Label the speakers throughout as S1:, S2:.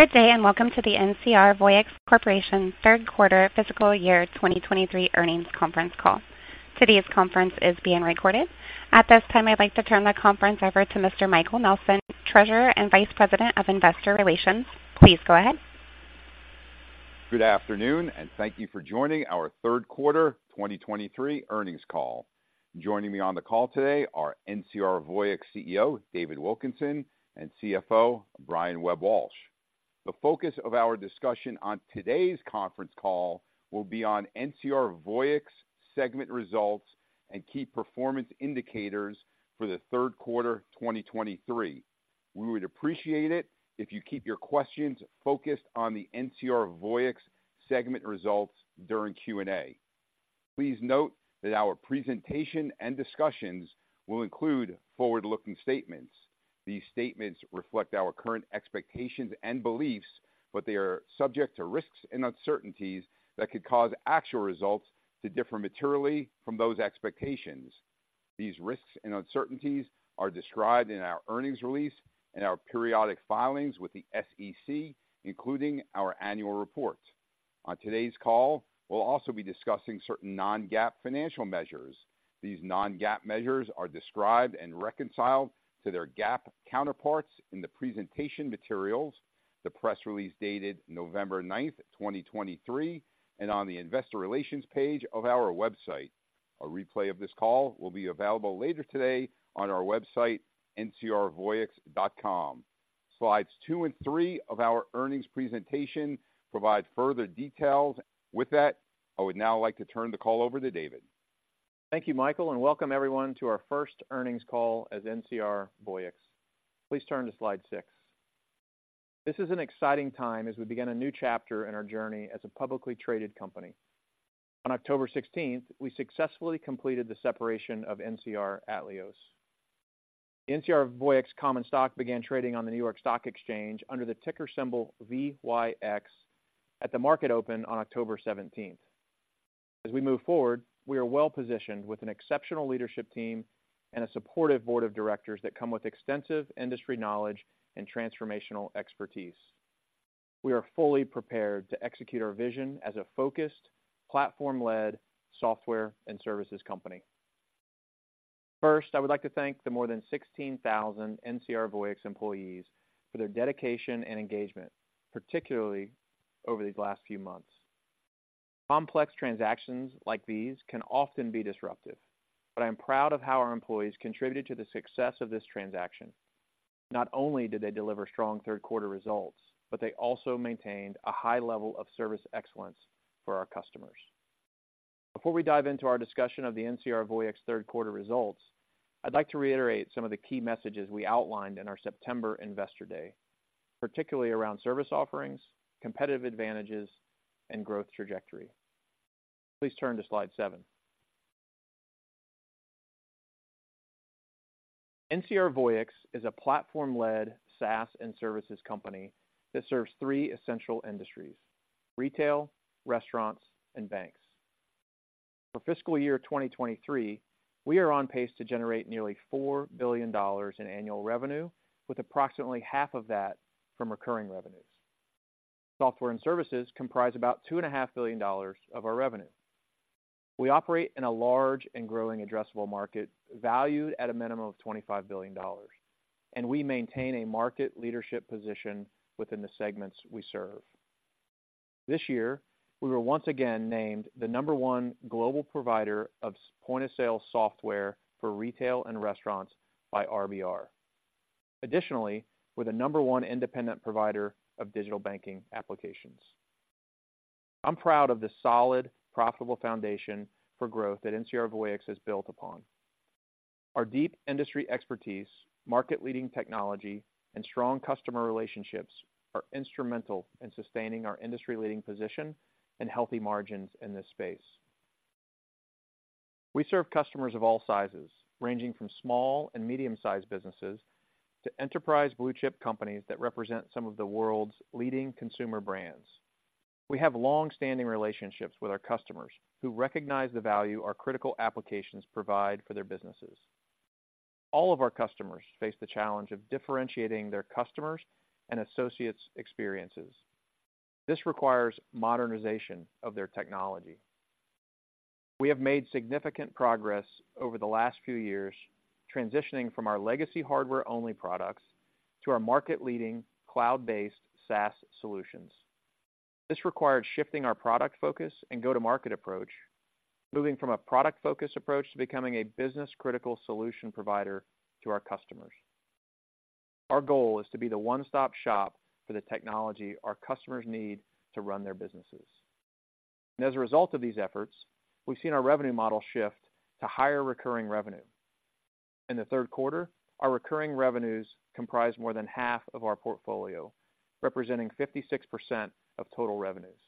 S1: Good day, and welcome to the NCR Voyix Corporation third quarter fiscal year 2023 earnings conference call. Today's conference is being recorded. At this time, I'd like to turn the conference over to Mr. Michael Nelson, Treasurer and Vice President of Investor Relations. Please go ahead.
S2: Good afternoon, and thank you for joining our third quarter 2023 earnings call. Joining me on the call today are NCR Voyix CEO, David Wilkinson, and CFO, Brian Webb-Walsh. The focus of our discussion on today's conference call will be on NCR Voyix segment results and key performance indicators for the third quarter 2023. We would appreciate it if you keep your questions focused on the NCR Voyix segment results during Q&A. Please note that our presentation and discussions will include forward-looking statements. These statements reflect our current expectations and beliefs, but they are subject to risks and uncertainties that could cause actual results to differ materially from those expectations. These risks and uncertainties are described in our earnings release and our periodic filings with the SEC, including our annual report. On today's call, we'll also be discussing certain non-GAAP financial measures. These non-GAAP measures are described and reconciled to their GAAP counterparts in the presentation materials, the press release dated November 9th, 2023, and on the investor relations page of our website. A replay of this call will be available later today on our website, ncrvoyix.com. Slides two and three of our earnings presentation provide further details. With that, I would now like to turn the call over to David.
S3: Thank you, Michael, and welcome everyone to our first earnings call as NCR Voyix. Please turn to slide six. This is an exciting time as we begin a new chapter in our journey as a publicly traded company. On October sixteenth, we successfully completed the separation of NCR Atleos. NCR Voyix common stock began trading on the New York Stock Exchange under the ticker symbol VYX at the market open on October 17th. As we move forward, we are well-positioned with an exceptional leadership team and a supportive board of directors that come with extensive industry knowledge and transformational expertise. We are fully prepared to execute our vision as a focused, platform-led software and services company. First, I would like to thank the more than 16,000 NCR Voyix employees for their dedication and engagement, particularly over these last few months. Complex transactions like these can often be disruptive, but I am proud of how our employees contributed to the success of this transaction. Not only did they deliver strong third quarter results, but they also maintained a high level of service excellence for our customers. Before we dive into our discussion of the NCR Voyix third quarter results, I'd like to reiterate some of the key messages we outlined in our September Investor Day, particularly around service offerings, competitive advantages, and growth trajectory. Please turn to slide seven. NCR Voyix is a platform-led SaaS and services company that serves three essential industries: retail, restaurants, and banks. For fiscal year 2023, we are on pace to generate nearly $4 billion in annual revenue, with approximately half of that from recurring revenues. Software and services comprise about $2.5 billion of our revenue. We operate in a large and growing addressable market, valued at a minimum of $25 billion, and we maintain a market leadership position within the segments we serve. This year, we were once again named the number one global provider of point-of-sale software for Retail and Restaurants by RBR. Additionally, we're the number one independent provider of digital banking applications. I'm proud of the solid, profitable foundation for growth that NCR Voyix has built upon. Our deep industry expertise, market-leading technology, and strong customer relationships are instrumental in sustaining our industry-leading position and healthy margins in this space. We serve customers of all sizes, ranging from small and medium-sized businesses to enterprise blue-chip companies that represent some of the world's leading consumer brands. We have long-standing relationships with our customers, who recognize the value our critical applications provide for their businesses. All of our customers face the challenge of differentiating their customers' and associates' experiences. This requires modernization of their technology. We have made significant progress over the last few years, transitioning from our legacy hardware-only products to our market-leading cloud-based SaaS solutions. This required shifting our product focus and go-to-market approach, moving from a product-focused approach to becoming a business-critical solution provider to our customers. Our goal is to be the one-stop shop for the technology our customers need to run their businesses. As a result of these efforts, we've seen our revenue model shift to higher recurring revenue. In the third quarter, our recurring revenues comprised more than half of our portfolio, representing 56% of total revenues,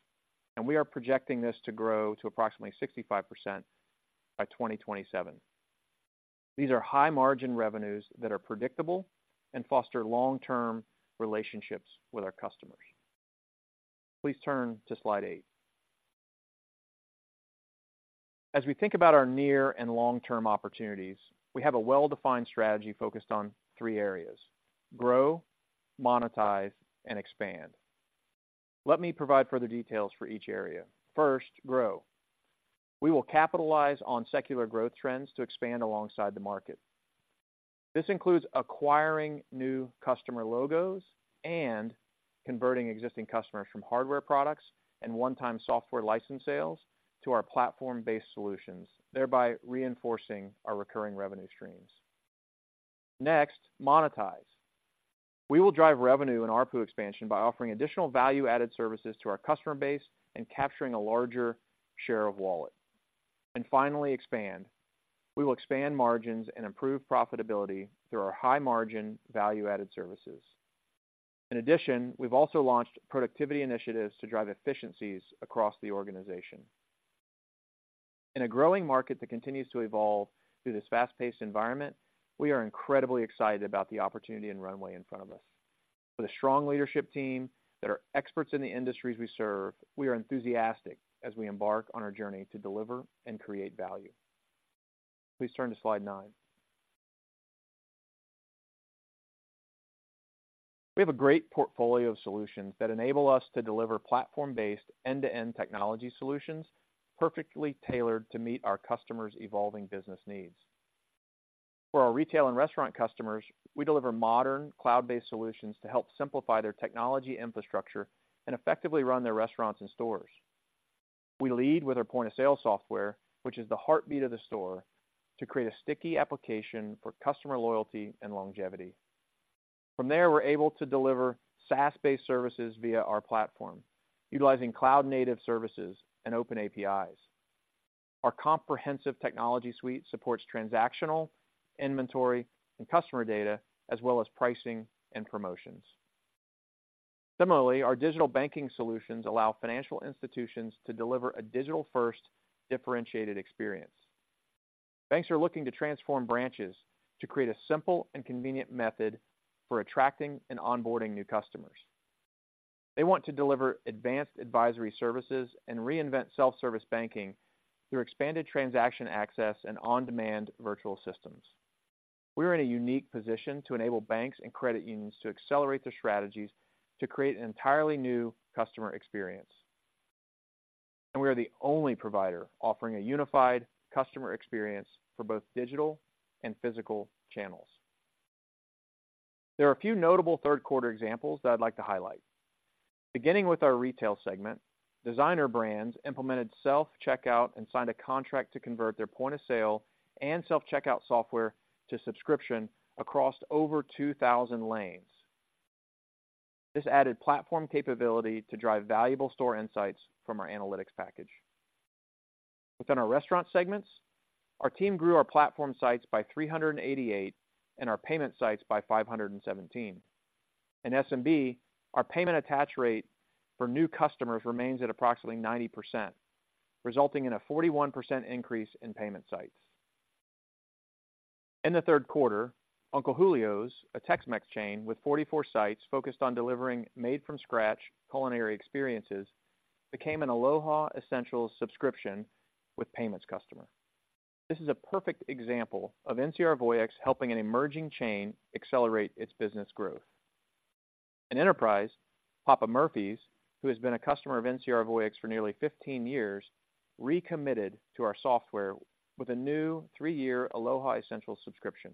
S3: and we are projecting this to grow to approximately 65% by 2027. These are high-margin revenues that are predictable and foster long-term relationships with our customers. Please turn to slide eight. As we think about our near and long-term opportunities, we have a well-defined strategy focused on three areas: grow, monetize, and expand. Let me provide further details for each area. First, grow. We will capitalize on secular growth trends to expand alongside the market. This includes acquiring new customer logos and converting existing customers from hardware products and one-time software license sales to our platform-based solutions, thereby reinforcing our recurring revenue streams. Next, monetize. We will drive revenue and ARPU expansion by offering additional value-added services to our customer base and capturing a larger share of wallet. And finally, expand. We will expand margins and improve profitability through our high-margin value-added services. In addition, we've also launched productivity initiatives to drive efficiencies across the organization. In a growing market that continues to evolve through this fast-paced environment, we are incredibly excited about the opportunity and runway in front of us. With a strong leadership team that are experts in the industries we serve, we are enthusiastic as we embark on our journey to deliver and create value. Please turn to slide nine. We have a great portfolio of solutions that enable us to deliver platform-based, end-to-end technology solutions, perfectly tailored to meet our customers' evolving business needs. For our Retail and Restaurant customers, we deliver modern, cloud-based solutions to help simplify their technology infrastructure and effectively run their restaurants and stores. We lead with our point-of-sale software, which is the heartbeat of the store, to create a sticky application for customer loyalty and longevity. From there, we're able to deliver SaaS-based services via our platform, utilizing cloud-native services and open APIs. Our comprehensive technology suite supports transactional, inventory, and customer data, as well as pricing and promotions. Similarly, our digital banking solutions allow financial institutions to deliver a digital-first, differentiated experience. Banks are looking to transform branches to create a simple and convenient method for attracting and onboarding new customers. They want to deliver advanced advisory services and reinvent self-service banking through expanded transaction access and on-demand virtual systems. We are in a unique position to enable banks and credit unions to accelerate their strategies to create an entirely new customer experience. And we are the only provider offering a unified customer experience for both digital and physical channels. There are a few notable third quarter examples that I'd like to highlight. Beginning with our Retail segment, Designer Brands implemented self-checkout and signed a contract to convert their point-of-sale and self-checkout software to subscription across over 2,000 lanes. This added platform capability to drive valuable store insights from our analytics package. Within our restaurant segments, our team grew our platform sites by 388, and our payment sites by 517. In SMB, our payment attach rate for new customers remains at approximately 90%, resulting in a 41% increase in payment sites. In the third quarter, Uncle Julio's, a Tex-Mex chain with 44 sites focused on delivering made-from-scratch culinary experiences, became an Aloha Essentials subscription with payments customer. This is a perfect example of NCR Voyix helping an emerging chain accelerate its business growth. In Enterprise, Papa Murphy's, who has been a customer of NCR Voyix for nearly 15 years, recommitted to our software with a new three-year Aloha Essentials subscription.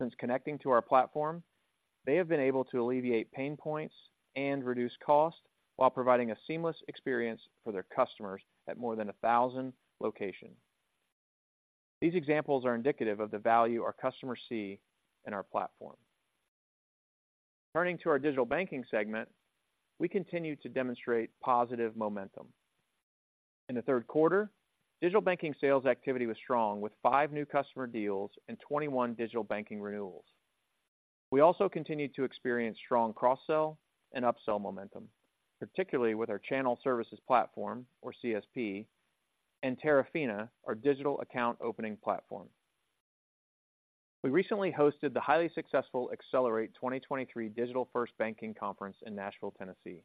S3: Since connecting to our platform, they have been able to alleviate pain points and reduce cost while providing a seamless experience for their customers at more than 1,000 locations. These examples are indicative of the value our customers see in our platform. Turning to our Digital Banking segment, we continue to demonstrate positive momentum. In the third quarter, digital banking sales activity was strong, with five new customer deals and 21 digital banking renewals. We also continued to experience strong cross-sell and upsell momentum, particularly with our Channel Services Platform, or CSP, and Terafina, our digital account opening platform. We recently hosted the highly successful Accelerate 2023 Digital First Banking Conference in Nashville, Tennessee.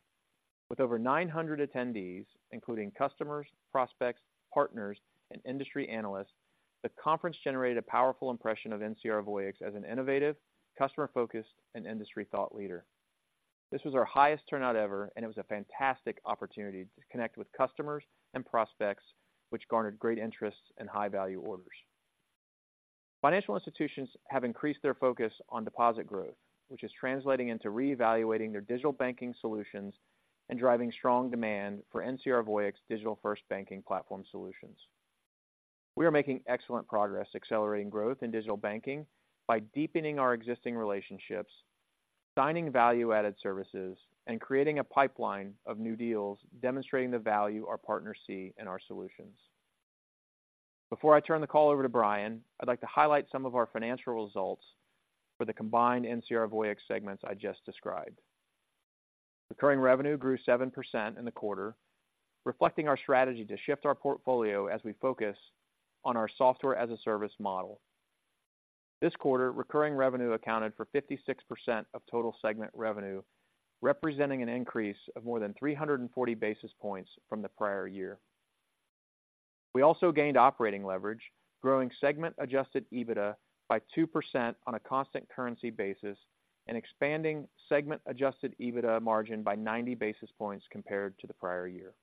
S3: With over 900 attendees, including customers, prospects, partners, and industry analysts, the conference generated a powerful impression of NCR Voyix as an innovative, customer-focused, and industry thought leader. This was our highest turnout ever, and it was a fantastic opportunity to connect with customers and prospects, which garnered great interest and high-value orders. Financial institutions have increased their focus on deposit growth, which is translating into reevaluating their digital banking solutions and driving strong demand for NCR Voyix Digital First Banking Platform solutions. We are making excellent progress accelerating growth in digital banking by deepening our existing relationships, signing value-added services, and creating a pipeline of new deals, demonstrating the value our partners see in our solutions. Before I turn the call over to Brian, I'd like to highlight some of our financial results for the combined NCR Voyix segments I just described. Recurring revenue grew 7% in the quarter, reflecting our strategy to shift our portfolio as we focus on our software-as-a-service model. This quarter, recurring revenue accounted for 56% of total segment revenue, representing an increase of more than 340 basis points from the prior year. We also gained operating leverage, growing segment adjusted EBITDA by 2% on a constant currency basis, and expanding segment adjusted EBITDA margin by 90 basis points compared to the prior year.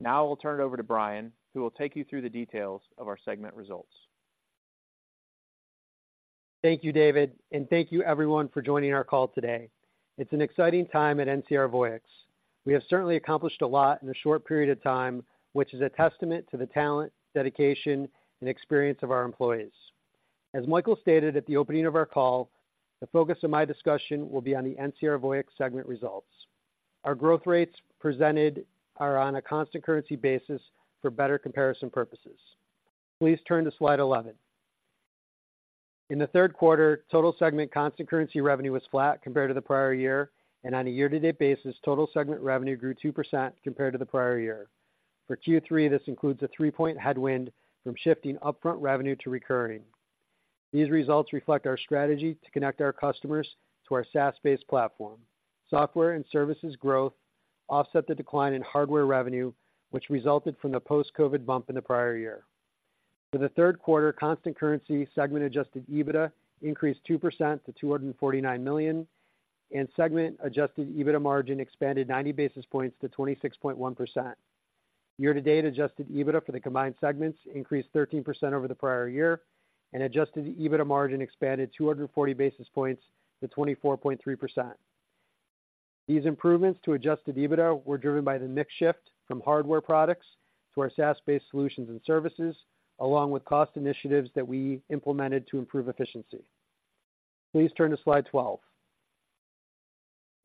S3: Now I will turn it over to Brian, who will take you through the details of our segment results.
S4: Thank you, David, and thank you everyone for joining our call today. It's an exciting time at NCR Voyix. We have certainly accomplished a lot in a short period of time, which is a testament to the talent, dedication, and experience of our employees. As Michael stated at the opening of our call, the focus of my discussion will be on the NCR Voyix segment results. Our growth rates presented are on a constant currency basis for better comparison purposes. Please turn to slide 11. In the third quarter, total segment constant currency revenue was flat compared to the prior year, and on a year-to-date basis, total segment revenue grew 2% compared to the prior year. For Q3, this includes a three-point headwind from shifting upfront revenue to recurring. These results reflect our strategy to connect our customers to our SaaS-based platform. Software and services growth offset the decline in hardware revenue, which resulted from the post-COVID bump in the prior year. For the third quarter, constant currency segment adjusted EBITDA increased 2% to $249 million, and segment adjusted EBITDA margin expanded 90 basis points to 26.1%. Year-to-date, adjusted EBITDA for the combined segments increased 13% over the prior year, and adjusted EBITDA margin expanded 240 basis points to 24.3%. These improvements to adjusted EBITDA were driven by the mix shift from hardware products to our SaaS-based solutions and services, along with cost initiatives that we implemented to improve efficiency. Please turn to slide 12.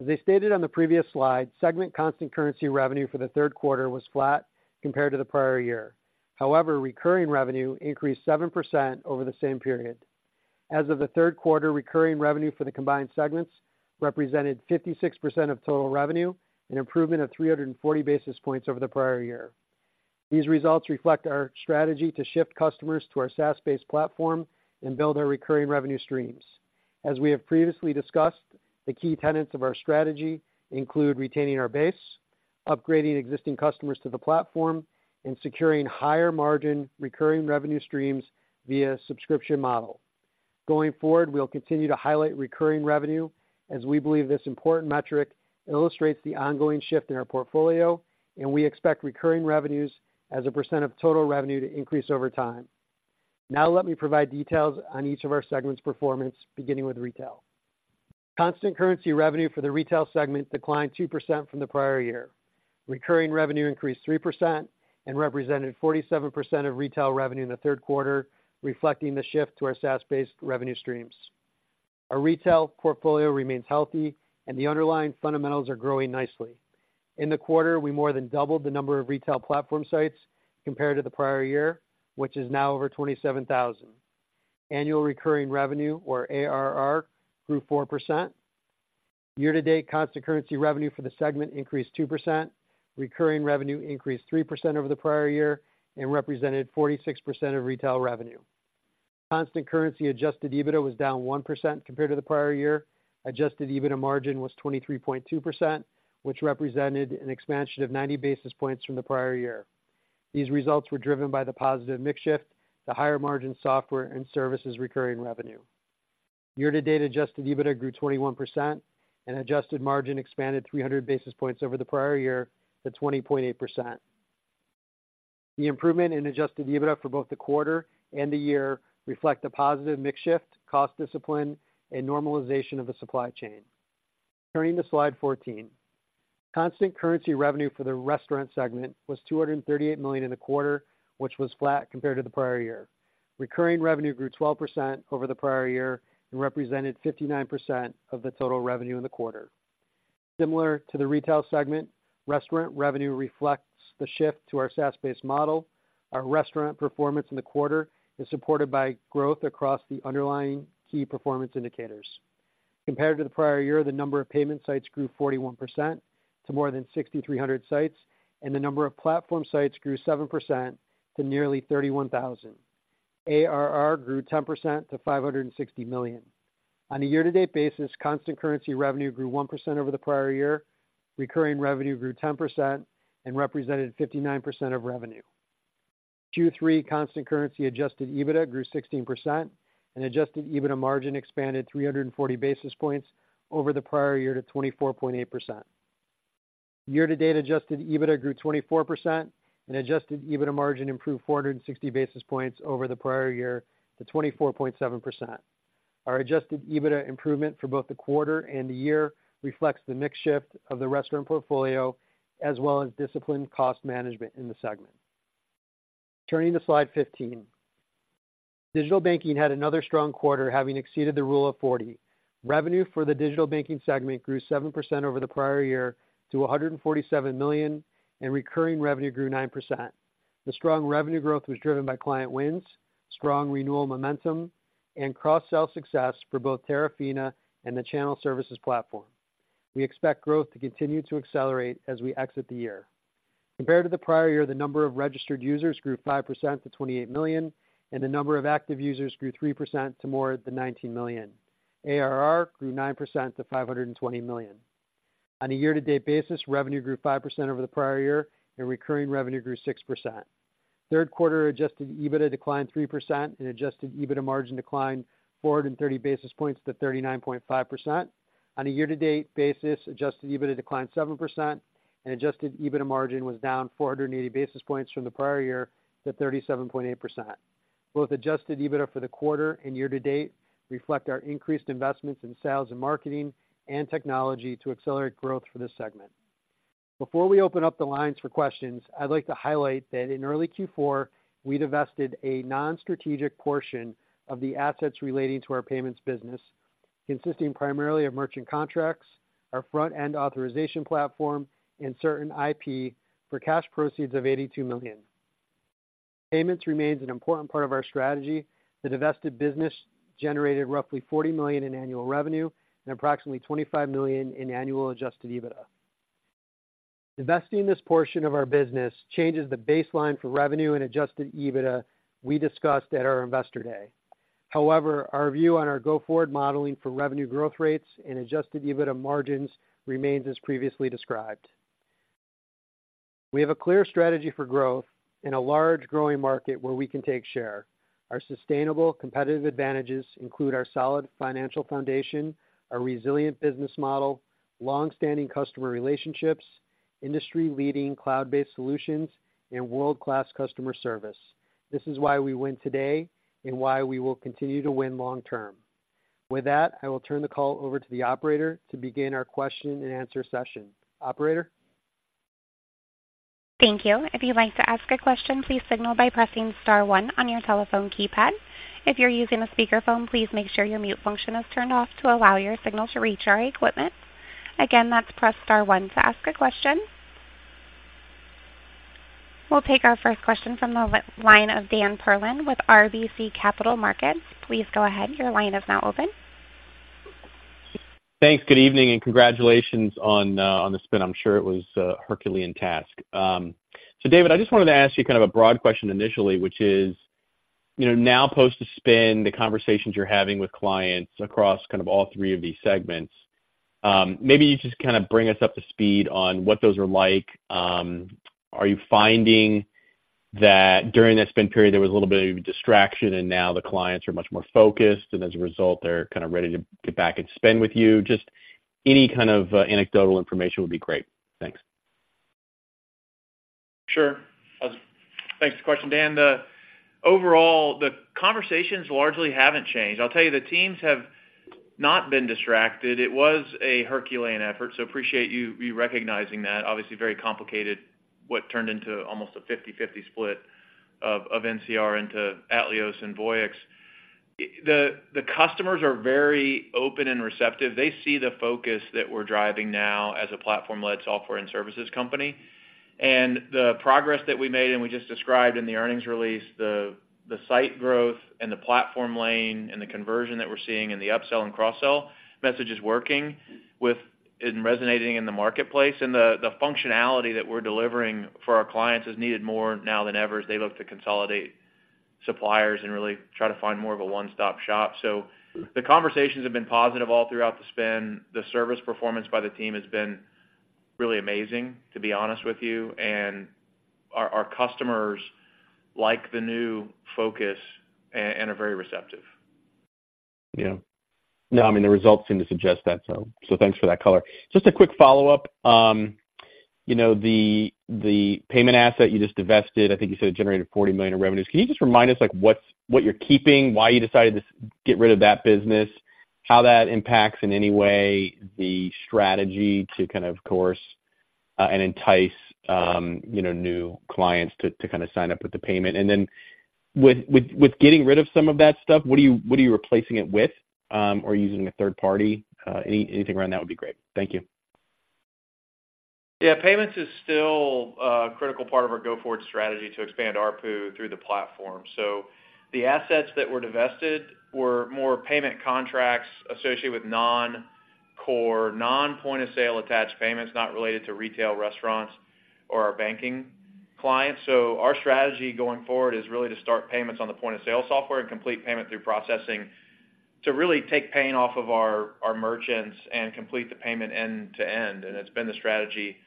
S4: As I stated on the previous slide, segment constant currency revenue for the third quarter was flat compared to the prior year. However, recurring revenue increased 7% over the same period. As of the third quarter, recurring revenue for the combined segments represented 56% of total revenue, an improvement of 340 basis points over the prior year. These results reflect our strategy to shift customers to our SaaS-based platform and build our recurring revenue streams. As we have previously discussed, the key tenets of our strategy include retaining our base, upgrading existing customers to the platform, and securing higher margin recurring revenue streams via subscription model. Going forward, we'll continue to highlight recurring revenue, as we believe this important metric illustrates the ongoing shift in our portfolio, and we expect recurring revenues as a percent of total revenue to increase over time. Now let me provide details on each of our segments' performance, beginning with retail. Constant currency revenue for the Retail segment declined 2% from the prior year. Recurring revenue increased 3% and represented 47% of retail revenue in the third quarter, reflecting the shift to our SaaS-based revenue streams. Our retail portfolio remains healthy, and the underlying fundamentals are growing nicely. In the quarter, we more than doubled the number of retail platform sites compared to the prior year, which is now over 27,000. Annual recurring revenue, or ARR, grew 4%. Year-to-date, constant currency revenue for the segment increased 2%. Recurring revenue increased 3% over the prior year and represented 46% of retail revenue. Constant currency adjusted EBITDA was down 1% compared to the prior year. Adjusted EBITDA margin was 23.2%, which represented an expansion of 90 basis points from the prior year. These results were driven by the positive mix shift, the higher margin software and services recurring revenue. Year-to-date adjusted EBITDA grew 21%, and adjusted margin expanded 300 basis points over the prior year to 20.8%. The improvement in adjusted EBITDA for both the quarter and the year reflect a positive mix shift, cost discipline, and normalization of the supply chain. Turning to slide 14. Constant currency revenue for the Restaurant segment was $238 million in the quarter, which was flat compared to the prior year. Recurring revenue grew 12% over the prior year and represented 59% of the total revenue in the quarter. Similar to the Retail segment, restaurant revenue reflects the shift to our SaaS-based model. Our restaurant performance in the quarter is supported by growth across the underlying key performance indicators. Compared to the prior year, the number of payment sites grew 41% to more than 6,300 sites, and the number of platform sites grew 7% to nearly 31,000. ARR grew 10% to $560 million. On a year-to-date basis, constant currency revenue grew 1% over the prior year. Recurring revenue grew 10% and represented 59% of revenue. Q3 constant currency adjusted EBITDA grew 16%, and adjusted EBITDA margin expanded 340 basis points over the prior year to 24.8%. Year-to-date adjusted EBITDA grew 24%, and adjusted EBITDA margin improved 460 basis points over the prior year to 24.7%. Our adjusted EBITDA improvement for both the quarter and the year reflects the mix shift of the restaurant portfolio, as well as disciplined cost management in the segment. Turning to slide 15. Digital banking had another strong quarter, having exceeded the Rule of 40. Revenue for the Digital Banking segment grew 7% over the prior year to $147 million, and recurring revenue grew 9%. The strong revenue growth was driven by client wins, strong renewal momentum, and cross-sell success for both Terafina and the Channel Services Platform. We expect growth to continue to accelerate as we exit the year. Compared to the prior year, the number of registered users grew 5% to 28 million, and the number of active users grew 3% to more than 19 million. ARR grew 9% to $520 million. On a year-to-date basis, revenue grew 5% over the prior year, and recurring revenue grew 6%. Third quarter adjusted EBITDA declined 3%, and adjusted EBITDA margin declined 430 basis points to 39.5%. On a year-to-date basis, adjusted EBITDA declined 7%, and adjusted EBITDA margin was down 480 basis points from the prior year to 37.8%. Both adjusted EBITDA for the quarter and year to date reflect our increased investments in sales and marketing and technology to accelerate growth for this segment. Before we open up the lines for questions, I'd like to highlight that in early Q4, we divested a non-strategic portion of the assets relating to our payments business, consisting primarily of merchant contracts, our front-end authorization platform, and certain IP for cash proceeds of $82 million. Payments remains an important part of our strategy. The divested business generated roughly $40 million in annual revenue and approximately $25 million in annual adjusted EBITDA. Divesting this portion of our business changes the baseline for revenue and adjusted EBITDA we discussed at our Investor Day. However, our view on our go-forward modeling for revenue growth rates and adjusted EBITDA margins remains as previously described. We have a clear strategy for growth in a large growing market where we can take share. Our sustainable competitive advantages include our solid financial foundation, our resilient business model, long-standing customer relationships, industry-leading cloud-based solutions, and world-class customer service. This is why we win today and why we will continue to win long term. With that, I will turn the call over to the operator to begin our question-and-answer session. Operator?
S1: Thank you. If you'd like to ask a question, please signal by pressing star one on your telephone keypad. If you're using a speakerphone, please make sure your mute function is turned off to allow your signal to reach our equipment. Again, that's press star one to ask a question. We'll take our first question from the line of Dan Perlin with RBC Capital Markets. Please go ahead. Your line is now open.
S5: Thanks. Good evening, and congratulations on the spin. I'm sure it was a Herculean task. So David, I just wanted to ask you kind of a broad question initially, which is, you know, now post the spin, the conversations you're having with clients across kind of all three of these segments, maybe you just kind of bring us up to speed on what those are like. Are you finding that during that spin period, there was a little bit of distraction, and now the clients are much more focused, and as a result, they're kind of ready to get back and spend with you? Just any kind of anecdotal information would be great. Thanks.
S3: Sure. Thanks for the question, Dan. Overall, the conversations largely haven't changed. I'll tell you, the teams have not been distracted. It was a Herculean effort, so appreciate you recognizing that. Obviously, very complicated, what turned into almost a 50/50 split of NCR into Atleos and Voyix. The customers are very open and receptive. They see the focus that we're driving now as a platform-led software and services company, and the progress that we made, and we just described in the earnings release, the site growth and the platform lane and the conversion that we're seeing in the upsell and cross-sell message is working with and resonating in the marketplace, and the functionality that we're delivering for our clients is needed more now than ever as they look to consolidate suppliers and really try to find more of a one-stop shop. The conversations have been positive all throughout the spin. The service performance by the team has been really amazing, to be honest with you, and our customers like the new focus and are very receptive.
S5: Yeah. No, I mean, the results seem to suggest that, so thanks for that color. Just a quick follow-up. You know, the payment asset you just divested, I think you said it generated $40 million in revenues. Can you just remind us, like, what you're keeping, why you decided to get rid of that business, how that impacts in any way the strategy to kind of course and entice, you know, new clients to kinda sign up with the payment? And then with getting rid of some of that stuff, what are you replacing it with or using a third party? Anything around that would be great. Thank you.
S3: Yeah, payments is still a critical part of our go-forward strategy to expand ARPU through the platform. The assets that were divested were more payment contracts associated with non-core, non-point-of-sale attached payments, not related to retail, restaurants, or our banking clients. Our strategy going forward is really to start payments on the point-of-sale software and complete payment through processing to really take pain off of our, our merchants and complete the payment end to end, and it's been the strategy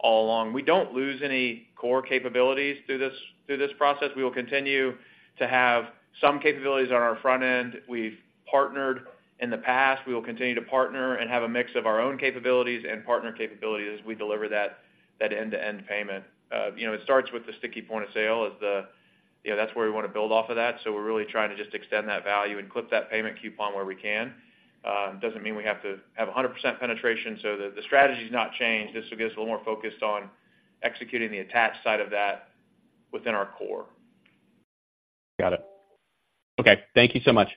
S3: all along. We don't lose any core capabilities through this, through this process. We will continue to have some capabilities on our front end. We've partnered in the past. We will continue to partner and have a mix of our own capabilities and partner capabilities as we deliver that, that end-to-end payment. You know, it starts with the sticky point of sale as the, you know, that's where we want to build off of that. So we're really trying to just extend that value and clip that payment coupon where we can. It doesn't mean we have to have 100% penetration, so the strategy's not changed. This will get us a little more focused on executing the attached side of that within our core.
S5: Got it. Okay. Thank you so much.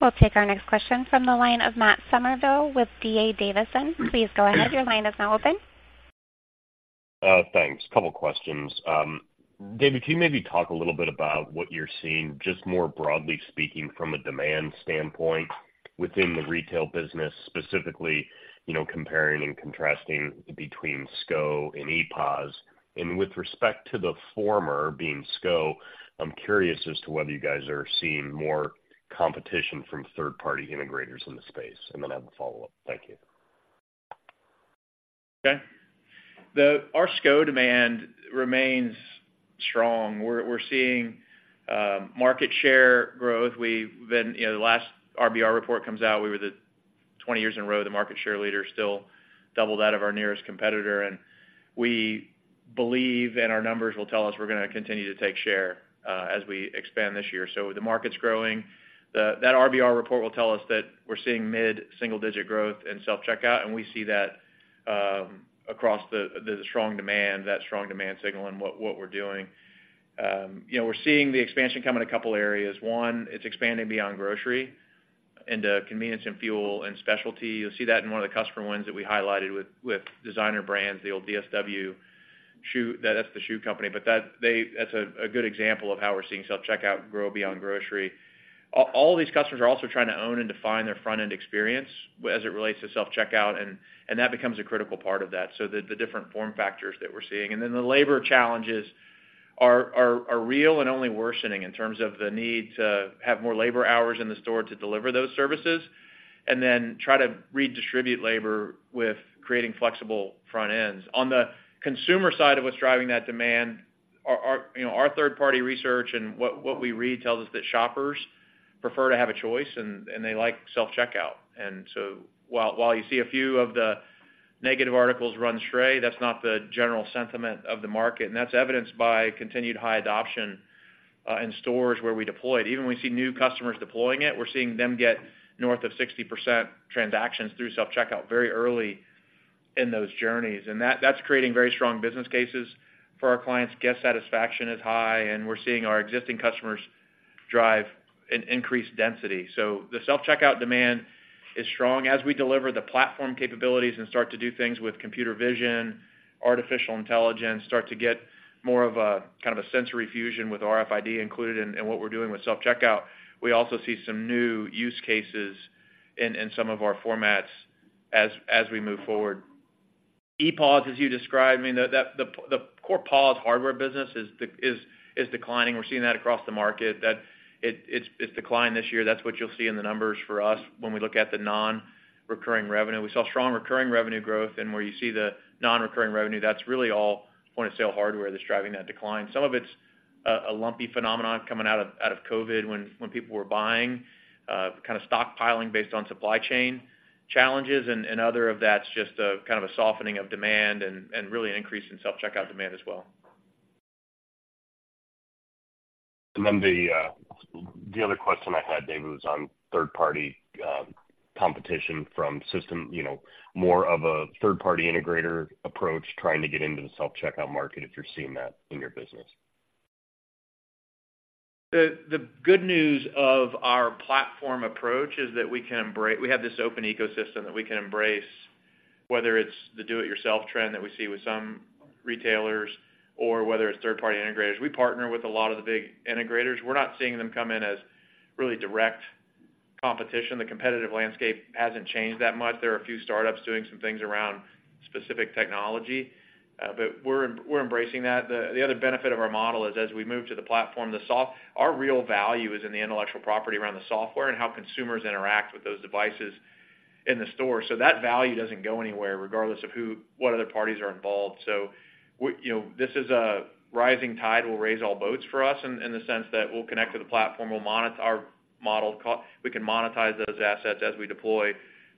S1: We'll take our next question from the line of Matt Summerville with D.A. Davidson. Please go ahead. Your line is now open.
S6: Thanks. Couple questions. David, can you maybe talk a little bit about what you're seeing, just more broadly speaking from a demand standpoint within the retail business, specifically, you know, comparing and contrasting between SCO and EPOS? And with respect to the former, being SCO, I'm curious as to whether you guys are seeing more competition from third-party integrators in the space, and then I have a follow-up. Thank you.
S3: Okay. Our SCO demand remains strong. We're seeing market share growth. You know, the last RBR report comes out, we were the 20 years in a row, the market share leader, still double that of our nearest competitor. And we believe, and our numbers will tell us, we're going to continue to take share as we expand this year. So the market's growing. That RBR report will tell us that we're seeing mid-single digit growth in self-checkout, and we see that across the strong demand, that strong demand signal in what we're doing. You know, we're seeing the expansion come in a couple areas. One, it's expanding beyond grocery into convenience and fuel and specialty. You'll see that in one of the customer wins that we highlighted with Designer Brands, the old DSW shoe. That's the shoe company, but that's a good example of how we're seeing self-checkout grow beyond grocery. All these customers are also trying to own and define their front-end experience as it relates to self-checkout, and that becomes a critical part of that. So the different form factors that we're seeing. And then the labor challenges are real and only worsening in terms of the need to have more labor hours in the store to deliver those services, and then try to redistribute labor with creating flexible front ends. On the consumer side of what's driving that demand, our you know our third-party research and what we read tells us that shoppers prefer to have a choice and they like self-checkout. And so while you see a few of the negative articles run astray, that's not the general sentiment of the market, and that's evidenced by continued high adoption in stores where we deployed. Even when we see new customers deploying it, we're seeing them get north of 60% transactions through self-checkout very early in those journeys. And that's creating very strong business cases for our clients. Guest satisfaction is high, and we're seeing our existing customers drive an increased density. So the self-checkout demand is strong. As we deliver the platform capabilities and start to do things with computer vision, artificial intelligence, start to get more of a kind of a sensory fusion with RFID included in what we're doing with self-checkout, we also see some new use cases in some of our formats as we move forward. EPOS, as you described, I mean, the core POS hardware business is declining. We're seeing that across the market, that it's declined this year. That's what you'll see in the numbers for us when we look at the nonrecurring revenue. We saw strong recurring revenue growth, and where you see the nonrecurring revenue, that's really all point-of-sale hardware that's driving that decline. Some of it's a lumpy phenomenon coming out of COVID, when people were buying kind of stockpiling based on supply chain challenges, and other of that's just a kind of a softening of demand and really an increase in self-checkout demand as well.
S6: Then the other question I had, David, was on third-party competition from system. You know, more of a third-party integrator approach, trying to get into the self-checkout market, if you're seeing that in your business?
S3: The good news of our platform approach is that we can embrace. We have this open ecosystem that we can embrace, whether it's the do-it-yourself trend that we see with some retailers, or whether it's third-party integrators. We partner with a lot of the big integrators. We're not seeing them come in as really direct competition. The competitive landscape hasn't changed that much. There are a few startups doing some things around specific technology, but we're embracing that. The other benefit of our model is, as we move to the platform, our real value is in the intellectual property around the software and how consumers interact with those devices in the store. So that value doesn't go anywhere, regardless of who—what other parties are involved. So we, you know, this is a rising tide will raise all boats for us in the sense that we'll connect to the platform. We can monetize those assets as we deploy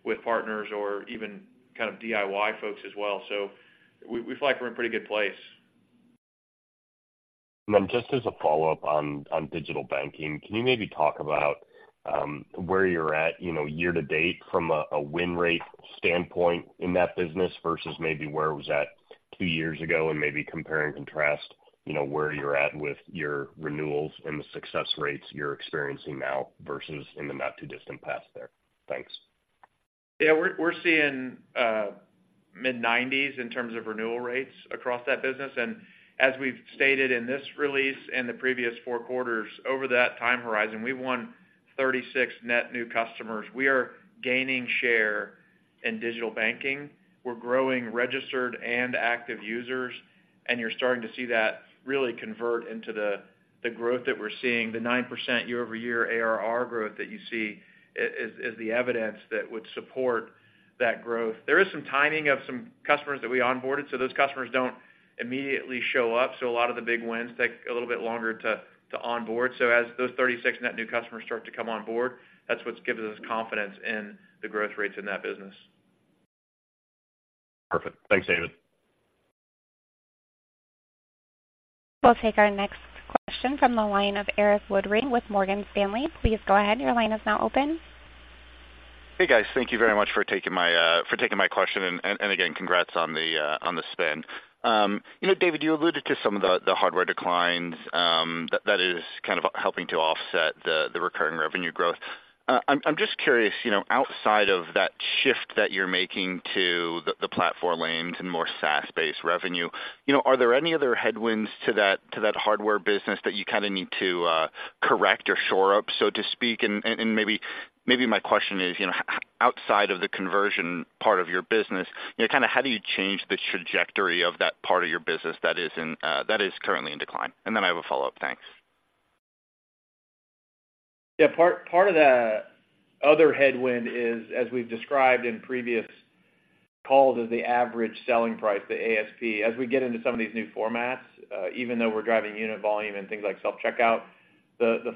S3: with partners or even kind of DIY folks as well. So we fly from a pretty good place.
S6: And then just as a follow-up on digital banking, can you maybe talk about where you're at, you know, year to date from a win rate standpoint in that business versus maybe where it was at two years ago? Maybe compare and contrast, you know, where you're at with your renewals and the success rates you're experiencing now versus in the not-too-distant past there. Thanks.
S3: Yeah, we're seeing mid-90s% in terms of renewal rates across that business. As we've stated in this release and the previous four quarters, over that time horizon, we've won 36 net new customers. We are gaining share in digital banking. We're growing registered and active users, and you're starting to see that really convert into the growth that we're seeing. The 9% year-over-year ARR growth that you see is the evidence that would support that growth. There is some timing of some customers that we onboarded, so those customers don't immediately show up. A lot of the big wins take a little bit longer to onboard. As those 36 net new customers start to come on board, that's what gives us confidence in the growth rates in that business.
S6: Perfect. Thanks, David.
S1: We'll take our next question from the line of Erik Woodring with Morgan Stanley. Please go ahead, your line is now open.
S7: Hey, guys, thank you very much for taking my, for taking my question, and, and again, congrats on the, on the spin. You know, David, you alluded to some of the, the hardware declines, that, that is kind of helping to offset the, the recurring revenue growth. I'm, I'm just curious, you know, outside of that shift that you're making to the, the platform lanes and more SaaS-based revenue, you know, are there any other headwinds to that, to that hardware business that you kind of need to, correct or shore up, so to speak? And maybe, maybe my question is, you know, outside of the conversion part of your business, you know, kind of how do you change the trajectory of that part of your business that is in, that is currently in decline? I have a follow-up. Thanks.
S3: Yeah, part of the other headwind is, as we've described in previous calls, the average selling price, the ASP. As we get into some of these new formats, even though we're driving unit volume and things like self-checkout, the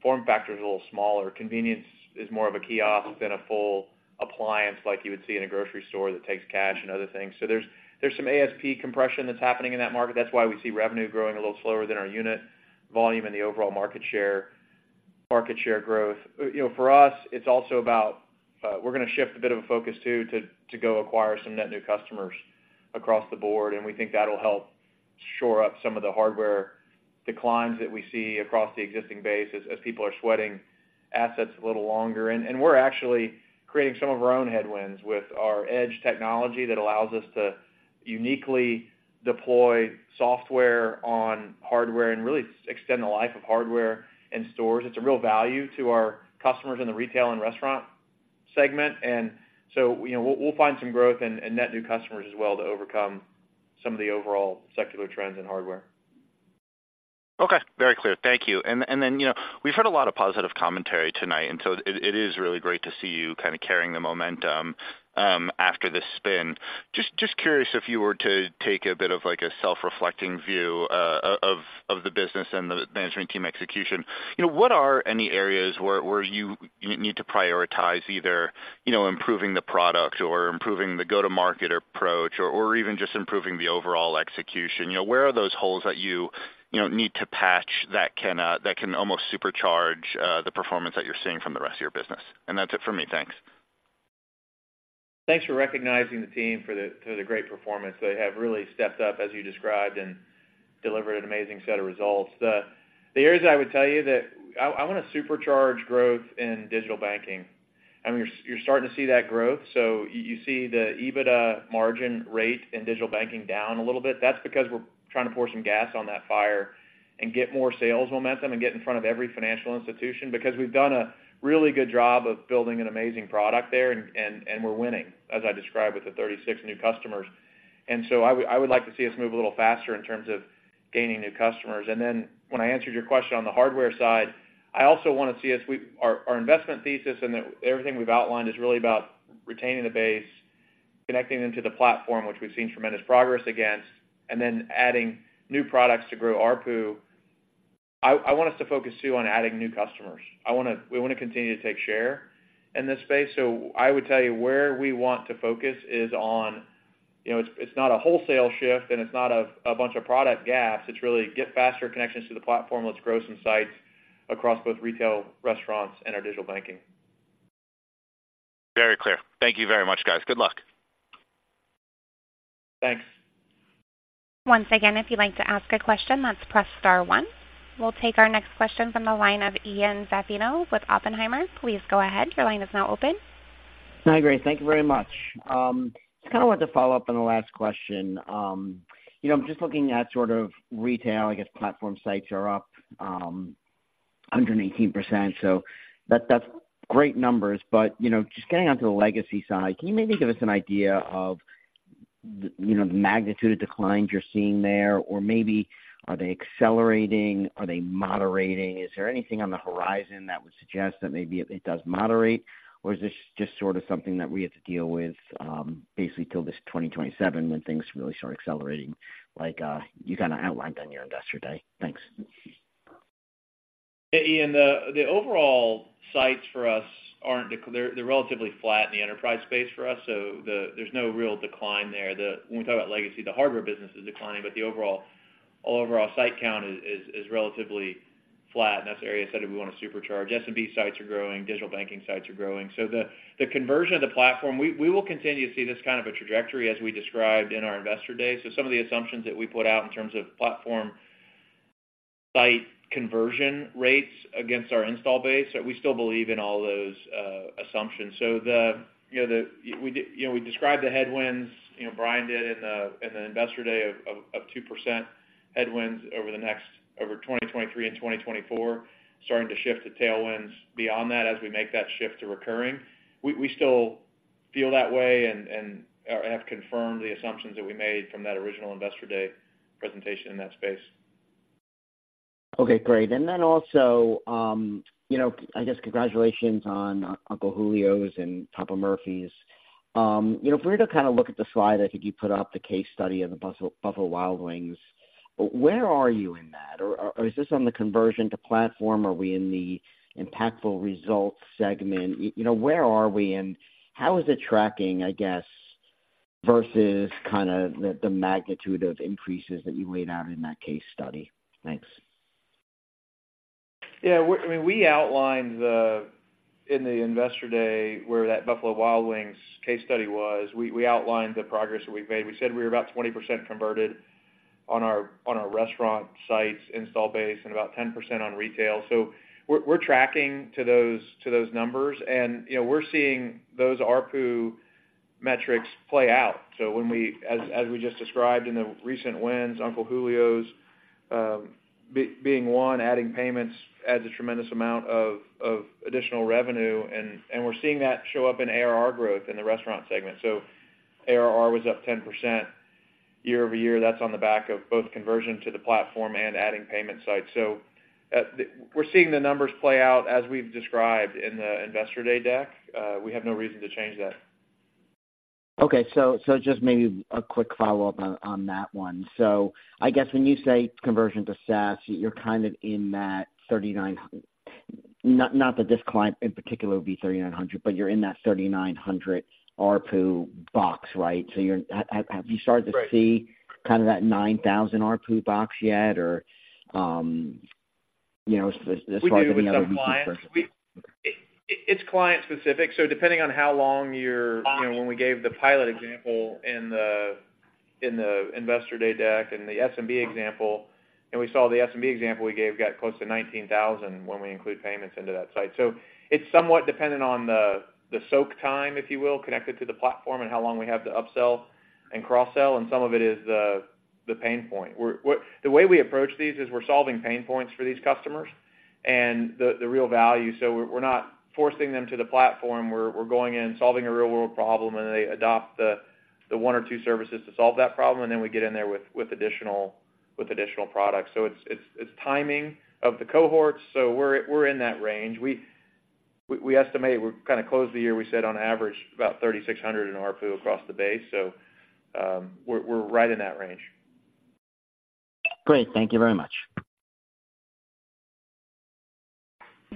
S3: form factor is a little smaller. Convenience is more of a kiosk than a full appliance, like you would see in a grocery store that takes cash and other things. So there's some ASP compression that's happening in that market. That's why we see revenue growing a little slower than our unit volume and the overall market share growth. You know, for us, it's also about we're going to shift a bit of a focus, too, to go acquire some net new customers across the board, and we think that'll help shore up some of the hardware declines that we see across the existing base as people are sweating assets a little longer. And we're actually creating some of our own headwinds with our edge technology that allows us to uniquely deploy software on hardware and really extend the life of hardware in stores. It's a real value to our customers in the Retail and Restaurant segment. And so, you know, we'll find some growth and net new customers as well to overcome some of the overall secular trends in hardware.
S7: Okay, very clear. Thank you. And then, you know, we've heard a lot of positive commentary tonight, and so it is really great to see you kind of carrying the momentum after this spin. Just curious, if you were to take a bit of like a self-reflecting view of the business and the management team execution, you know, what are any areas where you need to prioritize, either, you know, improving the product or improving the go-to-market approach, or even just improving the overall execution? You know, where are those holes that you need to patch that can almost supercharge the performance that you're seeing from the rest of your business? And that's it for me. Thanks.
S3: Thanks for recognizing the team for the great performance. They have really stepped up, as you described, and delivered an amazing set of results. The areas I would tell you that I want to supercharge growth in digital banking. I mean, you're starting to see that growth, so you see the EBITDA margin rate in digital banking down a little bit. That's because we're trying to pour some gas on that fire and get more sales momentum and get in front of every financial institution, because we've done a really good job of building an amazing product there, and we're winning, as I described, with the 36 new customers. And so I would like to see us move a little faster in terms of gaining new customers. Then when I answered your question on the hardware side, I also want to see our investment thesis and everything we've outlined is really about retaining the base, connecting them to the platform, which we've seen tremendous progress against, and then adding new products to grow ARPU. I want us to focus, too, on adding new customers. We want to continue to take share in this space. So I would tell you where we want to focus is on, you know, it's not a wholesale shift, and it's not a bunch of product gaps. It's really get faster connections to the platform, let's grow some sites across both retail, restaurants and our digital banking.
S7: Very clear. Thank you very much, guys. Good luck.
S3: Thanks.
S1: Once again, if you'd like to ask a question, that's press star one. We'll take our next question from the line of Ian Zaffino with Oppenheimer. Please go ahead. Your line is now open.
S8: Hi, great. Thank you very much. Just kind of want to follow up on the last question. You know, I'm just looking at sort of retail. I guess platform sites are up 118%. So that, that's great numbers. But, you know, just getting onto the legacy side, can you maybe give us an idea of, you know, the magnitude of declines you're seeing there? Or maybe, are they accelerating? Are they moderating? Is there anything on the horizon that would suggest that maybe it does moderate, or is this just sort of something that we have to deal with, basically till this 2027 when things really start accelerating, like, you kind of outlined on your Investor Day? Thanks.
S3: Hey, Ian, the overall sites for us aren't declining, they're relatively flat in the enterprise space for us, so there's no real decline there. When we talk about legacy, the hardware business is declining, but the overall site count is relatively flat, and that's the area I said we want to supercharge. SMB sites are growing, digital banking sites are growing. So the conversion of the platform, we will continue to see this kind of a trajectory as we described in our Investor Day. So some of the assumptions that we put out in terms of platform site conversion rates against our install base, we still believe in all those assumptions. So, you know, we described the headwinds, you know, Brian did in the Investor Day of 2% headwinds over the next, over 2023 and 2024, starting to shift to tailwinds beyond that as we make that shift to recurring. We still feel that way and have confirmed the assumptions that we made from that original Investor Day presentation in that space.
S8: Okay, great. And then also, you know, I guess congratulations on Uncle Julio's and Papa Murphy's. You know, if we were to kind of look at the slide, I think you put up the case study of the Buffalo Wild Wings. Where are you in that? Or is this on the conversion to platform? Are we in the impactful results segment? You know, where are we, and how is it tracking, I guess, versus kind of the magnitude of increases that you laid out in that case study? Thanks.
S3: Yeah, we, I mean, we outlined the, in the Investor Day, where that Buffalo Wild Wings case study was, we, we outlined the progress that we've made. We said we were about 20% converted on our, on our restaurant sites install base and about 10% on retail. So we're, we're tracking to those, to those numbers, and, you know, we're seeing those ARPU metrics play out. So when we-- as, as we just described in the recent wins, Uncle Julio's, being one, adding payments adds a tremendous amount of, of additional revenue, and, and we're seeing that show up in ARR growth in the Restaurant segment. So ARR was up 10% year-over-year. That's on the back of both conversion to the platform and adding payment sites. So, we're seeing the numbers play out as we've described in the Investor Day deck. We have no reason to change that.
S8: Okay, so just maybe a quick follow-up on that one. So I guess when you say conversion to SaaS, you're kind of in that 39- not that this client in particular would be 3,900, but you're in that 3,900 ARPU box, right? So you're, Have you started to see-
S3: Right
S8: -kind of that 9,000 ARPU box yet? Or, you know, as far as-
S3: We do with some clients. It's client specific, so depending on how long you're... You know, when we gave the pilot example in the Investor Day deck, and the SMB example, and we saw the SMB example we gave, got close to $19,000 when we include payments into that site. So it's somewhat dependent on the soak time, if you will, connected to the platform and how long we have to upsell and cross-sell, and some of it is the pain point. The way we approach these is we're solving pain points for these customers and the real value. So we're not forcing them to the platform. We're going in, solving a real-world problem, and they adopt the one or two services to solve that problem, and then we get in there with additional products. So it's timing of the cohorts, so we're in that range. We estimate we kind of closed the year, we said on average, about $3,600 in ARPU across the base, so we're right in that range.
S8: Great. Thank you very much.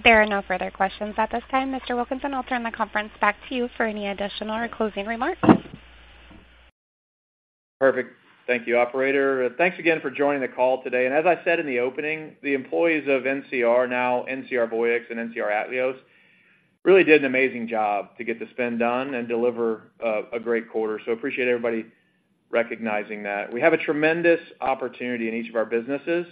S1: There are no further questions at this time. Mr. Wilkinson, I'll turn the conference back to you for any additional or closing remarks.
S3: Perfect. Thank you, operator. Thanks again for joining the call today. As I said in the opening, the employees of NCR, now NCR Voyix and NCR Atleos, really did an amazing job to get the spend done and deliver a great quarter. So, appreciate everybody recognizing that. We have a tremendous opportunity in each of our businesses,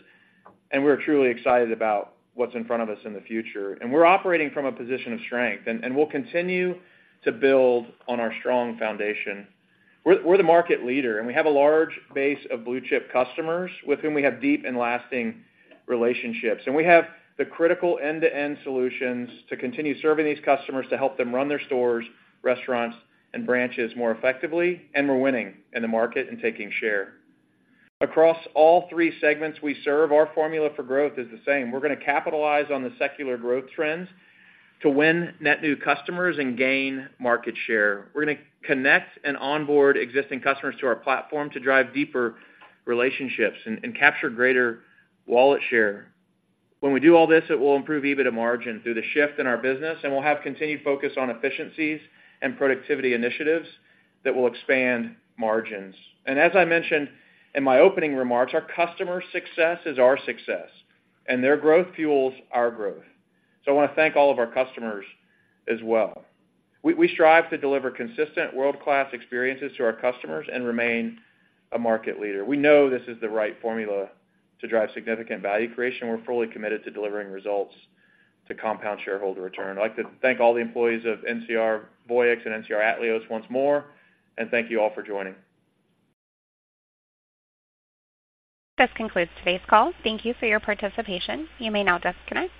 S3: and we're truly excited about what's in front of us in the future. We're operating from a position of strength, and we'll continue to build on our strong foundation. We're the market leader, and we have a large base of blue-chip customers with whom we have deep and lasting relationships. We have the critical end-to-end solutions to continue serving these customers, to help them run their stores, restaurants, and branches more effectively, and we're winning in the market and taking share. Across all three segments we serve, our formula for growth is the same. We're gonna capitalize on the secular growth trends to win net new customers and gain market share. We're gonna connect and onboard existing customers to our platform to drive deeper relationships and capture greater wallet share. When we do all this, it will improve EBITDA margin through the shift in our business, and we'll have continued focus on efficiencies and productivity initiatives that will expand margins. As I mentioned in my opening remarks, our customers' success is our success, and their growth fuels our growth. I wanna thank all of our customers as well. We strive to deliver consistent world-class experiences to our customers and remain a market leader. We know this is the right formula to drive significant value creation. We're fully committed to delivering results to compound shareholder return. I'd like to thank all the employees of NCR Voyix and NCR Atleos once more, and thank you all for joining.
S1: This concludes today's call. Thank you for your participation. You may now disconnect.